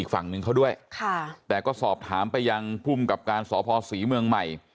ฝั่งหนึ่งเขาด้วยค่ะแต่ก็สอบถามไปยังภูมิกับการสพศรีเมืองใหม่